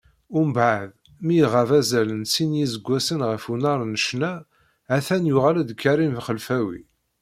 Mbeɛd mi iɣab azal n sin n yiseggasen ɣef unnar n ccna, ha-t-an yuɣal-d Karim Xelfawi.